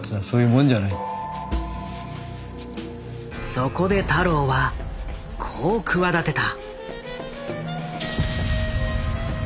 そこで太郎はこう企てた。